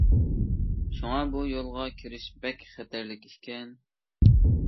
شۇڭا بۇ يولغا كىرىش بەك خەتەرلىك ئىكەن.